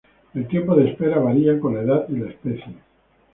El tiempo de espera varía con la edad y la especie.